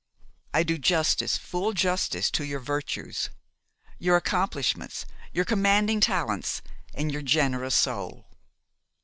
I do justice, full justice, to your virtues, your accomplishments, your commanding talents, and your generous soul.